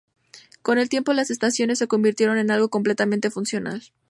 Con el tiempo las estaciones se convirtieron en algo completamente funcional.